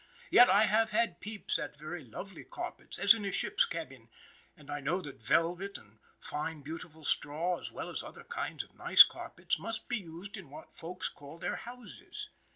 Yet I have had peeps at very lovely carpets, as in a ship's cabin, and I know that velvet and fine, beautiful straw, as well as other kinds of nice carpets, must be used in what Folks call their houses.